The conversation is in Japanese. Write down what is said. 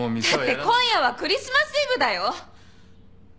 だって今夜はクリスマスイブだよ？